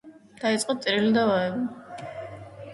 დაიწყო ტირილი და ვაება.